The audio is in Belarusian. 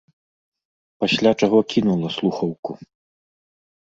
Пасля чаго кінула слухаўку.